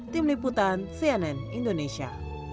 tim liputan cnn indonesia